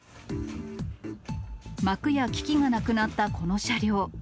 幕や機器がなくなった、この車両。